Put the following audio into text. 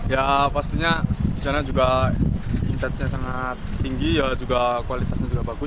ya pastinya di sana juga impact nya sangat tinggi dan kualitasnya juga bagus